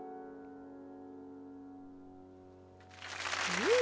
うん！